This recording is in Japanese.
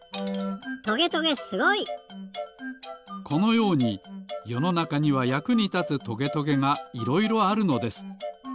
このようによのなかにはやくにたつトゲトゲがいろいろあるのです。